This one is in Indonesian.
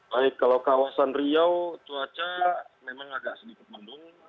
baik kalau kawasan riau cuaca memang agak sedikit mendung